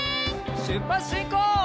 しゅっぱつしんこう！